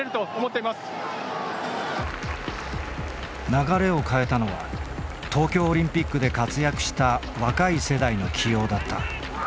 流れを変えたのは東京オリンピックで活躍した若い世代の起用だった。